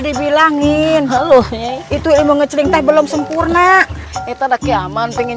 dibilangin halo itu ilmu ngecering teh belum sempurna itu lagi aman pengen